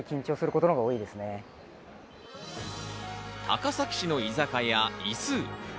高崎市の居酒屋イスウ。